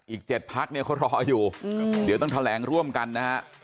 อีก๗พักเนี่ยเขารออยู่เดี๋ยวต้องแถลงร่วมกันนะฮะ